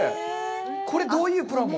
これ、どういうプラモ？